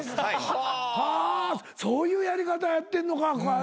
はぁそういうやり方やってんのか。